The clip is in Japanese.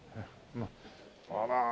あら。